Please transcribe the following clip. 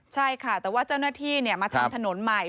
ใช่ค่ะแต่ว่าเจ้าหน้าที่มาทำถนนใหม่